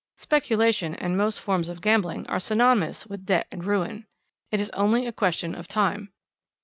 Speculation and most forms of gambling are synonymous with debt and ruin. It is only a question of time.